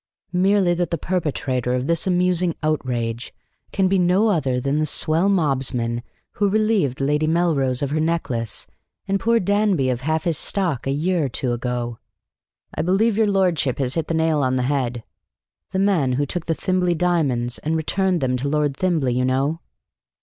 "Merely that the perpetrator of this amusing outrage can be no other than the swell mobsman who relieved Lady Melrose of her necklace and poor Danby of half his stock a year or two ago." "I believe your lordship has hit the nail on the head." "The man who took the Thimblely diamonds and returned them to Lord Thimblely, you know."